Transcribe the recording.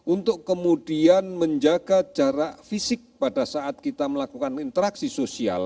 untuk kemudian menjaga jarak fisik pada saat kita melakukan interaksi sosial